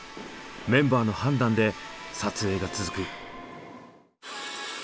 メンバーの判断で撮影が続く。